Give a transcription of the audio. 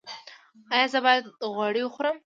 ایا زه باید غوړي وخورم؟